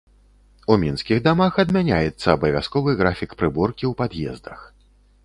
У мінскіх дамах адмяняецца абавязковы графік прыборкі ў пад'ездах.